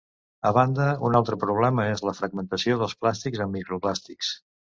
A banda, un altre problema és la fragmentació dels plàstics en microplàstics.